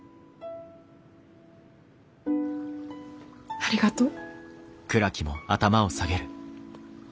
ありがとう。